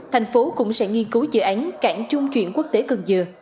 thành phố cũng sẽ nghiên cứu dự án cảng trung chuyển quốc tế cần dừa